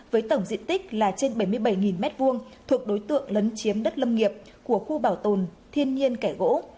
với tổng diện tích là trên bảy mươi bảy m hai thuộc đối tượng lấn chiếm đất lâm nghiệp của khu bảo tồn thiên nhiên kẻ gỗ